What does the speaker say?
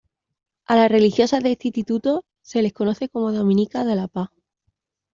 A las religiosas de este instituto se les conoce como Dominicas de la Paz.